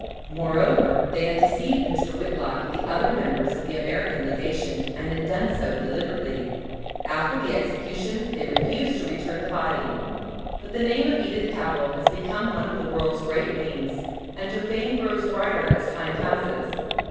Moreover they had deceived Mr. Whitlock and the other members of the American Legation, and had done so deliberately. After the execution they refused to return the body. But the name of Edith Cavell has become one of the world's great names and her fame grows brighter as time passes.